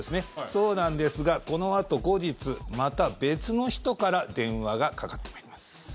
そうなんですがこのあと、後日また別の人から電話がかかってまいります。